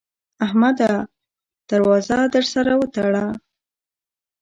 احمده! در وازه در سره وتړه.